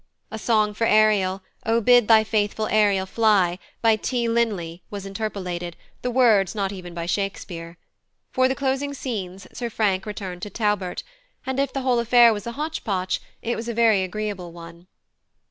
A song for Ariel, "Oh, bid thy faithful Ariel fly," by T. Linley, was interpolated, the words not even by Shakespeare. For the closing scenes, Sir Frank returned to Taubert; and if the whole affair was a hotchpotch, it was a very agreeable one.